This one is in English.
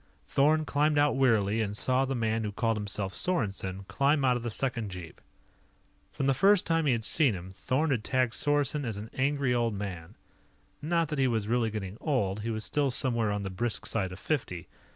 Thorn climbed out wearily and saw the man who called himself Sorensen climb out of the second jeep. From the first time he had seen him, Thorn had tagged Sorensen as an Angry Old Man. Not that he was really getting old; he was still somewhere on the brisk side of fifty.